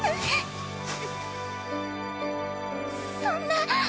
そんな。